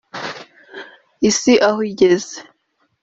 Isi aho igeze